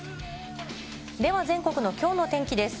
では全国のきょうの天気です。